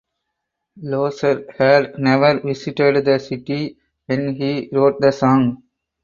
Loesser had never visited the city when he wrote the song.